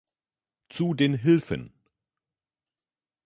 Zu den Hilfen.